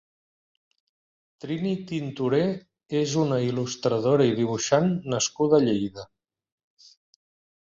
Trini Tinturé és una il·lustradora i dibuixant nascuda a Lleida.